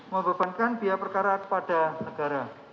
membebankan biaya perkara kepada negara